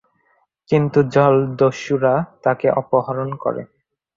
কিন্তু জলদস্যুরা তাকে অপহরণ করে।